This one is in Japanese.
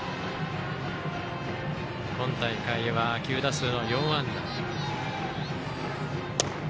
今大会は９打数４安打。